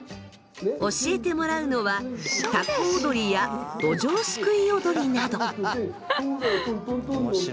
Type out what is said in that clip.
教えてもらうのはタコ踊りやどじょうすくい踊りなど。